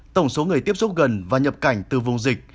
tổng số người tiếp xúc gần và nhập cảnh từ vùng dịch